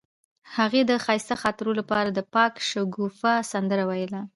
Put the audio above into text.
هغې د ښایسته خاطرو لپاره د پاک شګوفه سندره ویله.